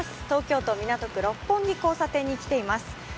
東京都港区六本木の交差点に来ています。